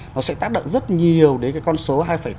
nó sẽ tác động rất nhiều đến cái con số